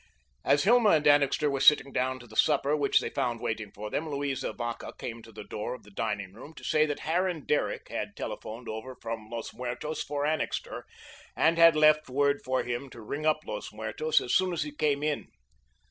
As Hilma and Annixter were sitting down to the supper which they found waiting for them, Louisa Vacca came to the door of the dining room to say that Harran Derrick had telephoned over from Los Muertos for Annixter, and had left word for him to ring up Los Muertos as soon as he came in.